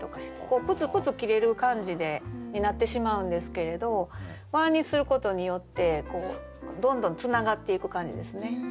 こうプツプツ切れる感じになってしまうんですけれど「は」にすることによってどんどんつながっていく感じですね。